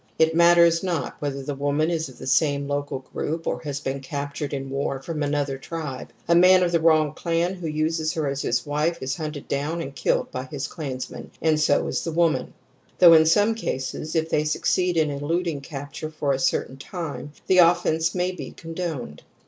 Jt matters not whether the woman is of the same local group or has been captured in war from another tribe ; a man of the wrong clan who uses her as his wife is hunted down and killed by his clansmen, and so is the woman; though in some cases, if they succeed in eluding capture for a certain time, the offence may be condoned.